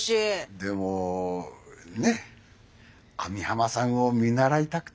でもねえ網浜さんを見習いたくて。